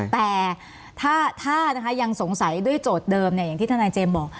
แต่ถ้ายังสงสัยด้วยโจทย์เดิมอย่างที่ทนายเจมส์บอก